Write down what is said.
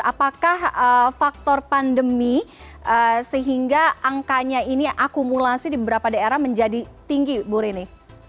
apakah faktor pandemi sehingga angkanya ini akumulasi di beberapa daerah menjadi tinggi bu rini